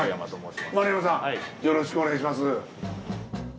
よろしくお願いします。